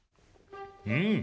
うん！